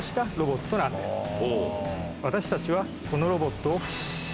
私たちはこのロボットを。